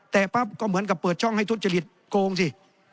แต่ปั๊บก็เหมือนกับเปิดช่องให้ทุจริตโกงสิ